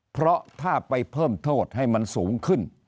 เพราะถ้าไปเพิ่มโทษให้มันสูงขึ้น